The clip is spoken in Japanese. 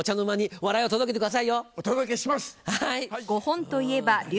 お届けします！